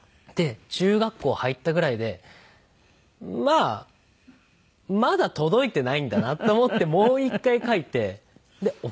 中学校入ったぐらいでまあまだ届いてないんだなと思ってもう１回書いて送って。